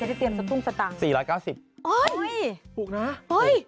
จะได้เตรียมซับตุ้งสตังค์สี่ร้อยเก้าสิบโอ้ยปลูกนะโอ้ย